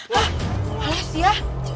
hah malas dia